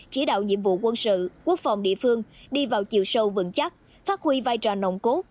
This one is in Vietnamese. chỉ đạo nhiệm vụ quân sự quốc phòng địa phương đi vào chiều sâu vững chắc phát huy vai trò nồng cốt